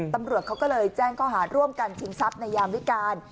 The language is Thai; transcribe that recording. ตำรวจเขาก็เลยแจ้งข้อหาร่วมกันชิงทรัพย์ในยามวิการ